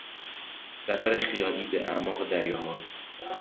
سفر خیالی به اعماق دریاها